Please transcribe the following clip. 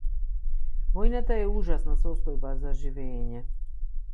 Војната е ужасна состојба за живеење.